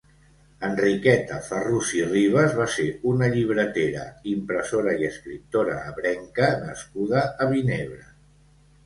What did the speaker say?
Enriqueta Ferrús i Ribes va ser una llibretera, impressora i escriptora ebrenca nascuda a Vinebre.